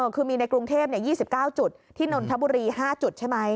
คือมีในกรุงเทพ๒๙จุดที่นนทบุรี๕จุดใช่ไหม